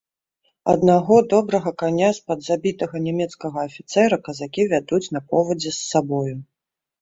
Аднаго, добрага, каня з-пад забітага нямецкага афіцэра казакі вядуць на повадзе з сабою.